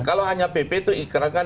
kalau hanya pp itu ikrakan